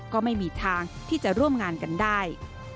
ก็ไม่มีทางที่จะร่วมงานกันได้